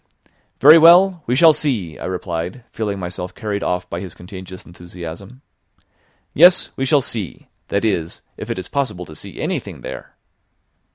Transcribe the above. "Very well, we shall see," I replied, feeling myself carried off by his contagious enthusiasm. "Yes, we shall see; that is, if it is possible to see anything there."